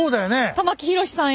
玉木宏さん